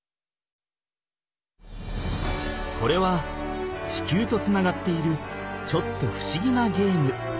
これは地球とつながっているちょっとふしぎなゲーム。